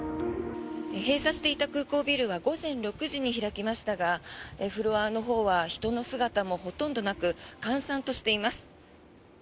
閉鎖していた空港ビルは午前６時に開きましたがフロアのほうは人の姿もほとんどなく閑散としています。